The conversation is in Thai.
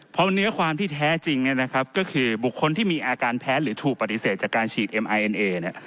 เพราะเนื้อความที่แท้จริงก็คือบุคคลที่มีอาการแพ้หรือถูกปฏิเสธจากการฉีดเอ็มไอเอ็นเอเนี่ย